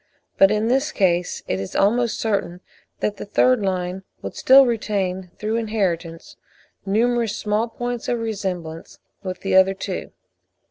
But in this case it is almost certain that the third line would still retain through inheritance numerous small points of resemblance with the other two.